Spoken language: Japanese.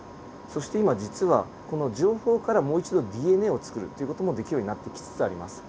そして今実はこの情報からもう一度ＤＮＡをつくるという事もできるようになってきつつあります。